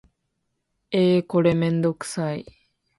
えーこれめんどくさい